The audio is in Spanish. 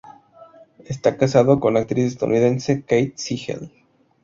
Está casado con la actriz estadounidense Kate Siegel.